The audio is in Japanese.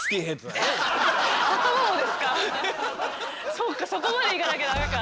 そうかそこまでいかなきゃダメか。